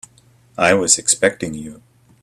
I was expecting you.